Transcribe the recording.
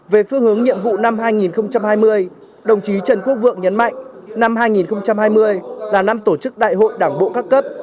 về phương hướng nhiệm vụ năm hai nghìn hai mươi đồng chí trần quốc vượng nhấn mạnh năm hai nghìn hai mươi là năm tổ chức đại hội đảng bộ các cấp